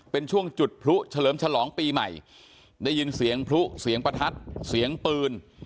เป็นช่วงจุดพลุเฉลิมฉลองปีใหม่ได้ยินเสียงพลุเสียงประทัดเสียงปืน